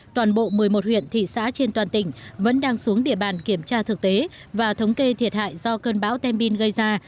toàn bộ một mươi một huyện thị xã trên toàn tỉnh vẫn đang xuống địa bàn kiểm tra thực tế và thống kê thiệt hại do cơn bão tem bin gây ra